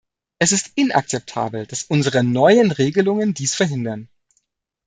Es ist inakzeptabel, dass unsere neuen Regelungen dies verhindern.